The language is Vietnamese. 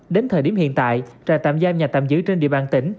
đến thời điểm hiện tại trại tạm giam nhà tạm giữ trên địa bàn tỉnh